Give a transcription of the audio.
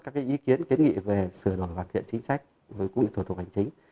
các cái ý kiến kiến nghị về sửa đổi hoàn thiện chính sách với quỹ thủ tục hành chính